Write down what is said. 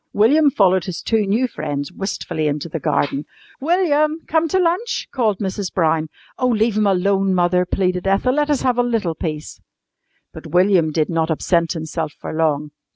William followed his two new friends wistfully into the garden. "William! Come to lunch!" called Mrs. Brown. "Oh, leave him alone, Mother," pleaded Ethel. "Let us have a little peace." But William did not absent himself for long.